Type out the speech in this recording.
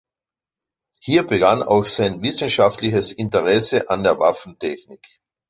Hier begann auch sein wissenschaftliches Interesse an der Waffentechnik.